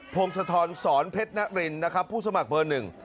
พงศธรสอนเพชรนรินนะครับผู้สมัครเบอร์หนึ่ง